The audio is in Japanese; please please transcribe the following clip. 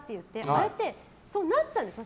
あれってそうなっちゃうんですか。